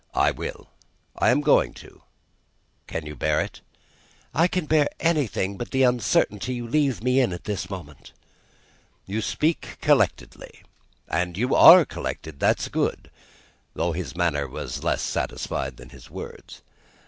"I will. I am going to. You can bear it?" "I can bear anything but the uncertainty you leave me in at this moment." "You speak collectedly, and you are collected. That's good!" (Though his manner was less satisfied than his words.)